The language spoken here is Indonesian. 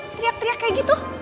teriak teriak kayak gitu